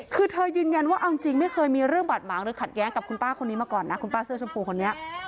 คือเธอยืนยันว่าเอาจริงไม่เคยมีเรื่องบาดหมางหรือขัดแย้งกับคุณป้าคนนี้มาก่อนนะคุณป้าเสื้อชมพูคนนี้